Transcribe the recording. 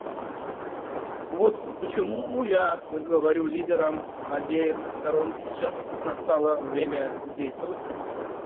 Вот почему я говорю лидерам обеих сторон: сейчас настало время действовать.